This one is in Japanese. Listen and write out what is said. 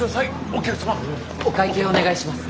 お会計お願いします。